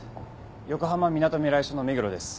横浜みなとみらい署の目黒です。